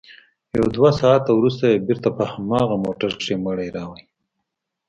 يو دوه ساعته وروسته يې بېرته په هماغه موټر کښې مړى راوړ.